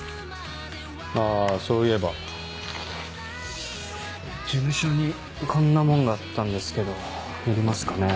あぁそういえば事務所にこんなもんがあったんですけどいりますかね。